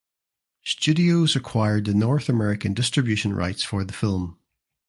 Studios acquired the North American distribution rights for the film.